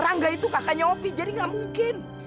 rangga itu kakaknya opi jadi gak mungkin